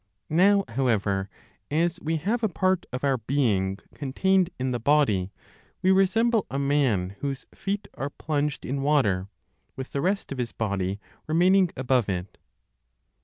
Now, however, as we have a part of our being contained in the the body, we resemble a man whose feet are plunged in water, with the rest of his body remaining above it.